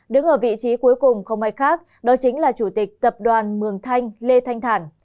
đứng ở vị trí cuối cùng không ai khác đó chính là chủ tịch tập đoàn mường thanh lê thanh thản